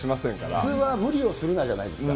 普通は無理をするなじゃないですか。